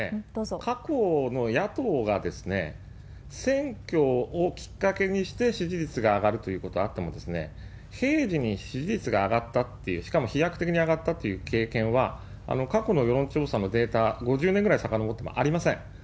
過去の野党が選挙をきっかけにして支持率が上がるということはあっても、平時に支持率が上がったという、しかも飛躍的に上がったという経験は、過去の世論調査のデータ、５０年ぐらい下がってもありません。